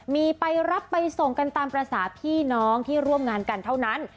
มีไปรับไปส่งกันตามภาษาพี่น้องที่ร่วมงานกันเท่านั้น